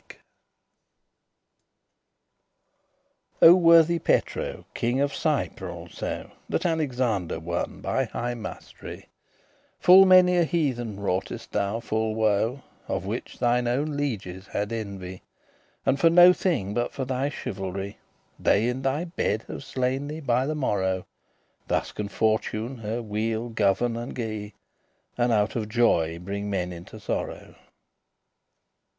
* *breach, ruin O worthy PETRO, King of CYPRE <30> also, That Alexandre won by high mast'ry, Full many a heathnen wroughtest thou full woe, Of which thine owen lieges had envy; And, for no thing but for thy chivalry, They in thy bed have slain thee by the morrow; Thus can Fortune her wheel govern and gie,* *guide And out of joy bringe men into sorrow.